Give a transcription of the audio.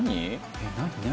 「えっ何？